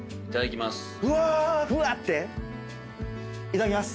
いただきます。